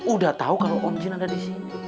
udah tau kalau om jin ada disini